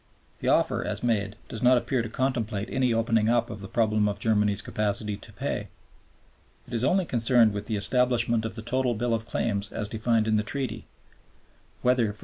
The offer, as made, does not appear to contemplate any opening up of the problem of Germany's capacity to pay. It is only concerned with the establishment of the total bill of claims as defined in the Treaty whether (_e.